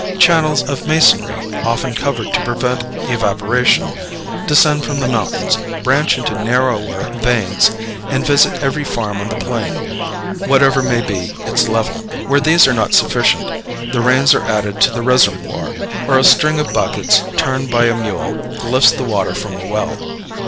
Channels of masonry, often covered to prevent evaporation, descend from the mountains, branch into narrower veins, and visit every farm on the plain, whatever may be its level. Where these are not sufficient, the rains are added to the reservoir, or a string of buckets, turned by a mule, lifts the water from a well.